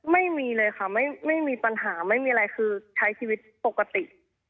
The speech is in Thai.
ไม่มีเลยค่ะไม่มีปัญหาไม่มีอะไรคือใช้ชีวิตปกติ